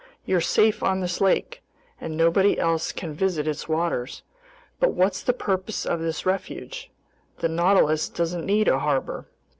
You're safe on this lake, and nobody else can visit its waters. But what's the purpose of this refuge? The Nautilus doesn't need a harbor."